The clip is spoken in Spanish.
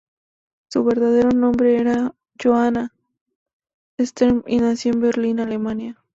Su verdadero nombre era Johanna Stern, y nació en Berlín, Alemania.